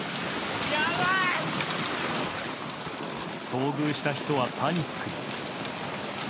遭遇した人はパニック。